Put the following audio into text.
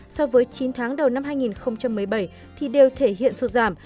so với chín tháng đầu năm hai nghìn một mươi bảy thì đều thể hiện sụt giảm